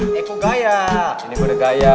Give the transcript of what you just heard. tapi sampai yang hati jawa